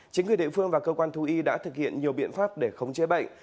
chính quyền địa phương và cơ quan thú y đã thực hiện nhiều biện pháp để khống chế bệnh